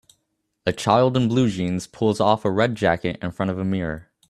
A child in blue jeans pulls off a red jacket in front of a mirror